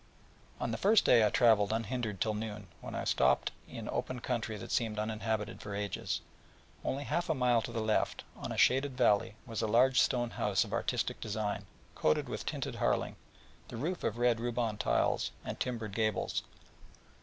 On the first day I travelled unhindered till noon, when I stopped in open country that seemed uninhabited for ages, only that half a mile to the left, on a shaded sward, was a large stone house of artistic design, coated with tinted harling, the roof of red Ruabon tiles, and timbered gables.